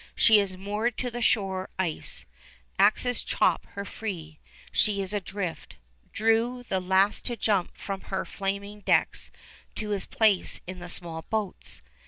She is moored to the shore ice; axes chop her free. She is adrift; Drew the last to jump from her flaming decks to his place in the small boats.